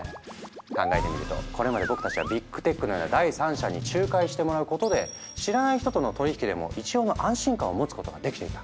考えてみるとこれまで僕たちはビッグ・テックのような第三者に仲介してもらうことで知らない人との取引でも一応の安心感を持つことができていた。